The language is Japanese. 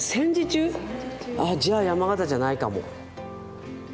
あじゃあ山形じゃないかも。